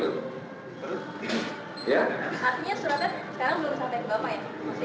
artinya suratnya sekarang belum sampai ke bapak ya